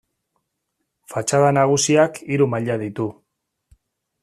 Fatxada nagusiak hiru maila ditu.